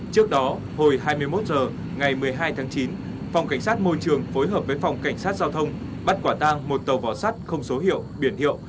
trước đó hồi hai mươi một h ngày một mươi hai tháng chín phòng cảnh sát môi trường phối hợp với phòng cảnh sát giao thông bắt quả tang một tàu vỏ sắt không số hiệu biển hiệu